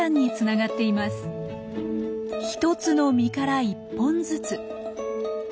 １つの実から１本ずつ。